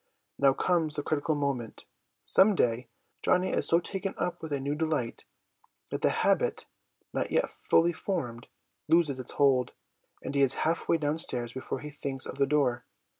Now comes the critical moment. Some day Johnny is so taken up with a new delight that the habit, not yet fully formed, loses its hold, and he is half way downstairs before he thinks of the door.